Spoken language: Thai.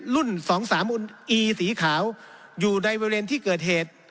รุ่นสองสามอุนอีสีขาวอยู่ในเวรที่เกิดเหตุ